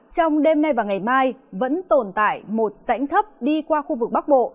trong đêm nay và ngày mai vẫn tồn tại một dãnh thấp đi qua khu vực bắc bộ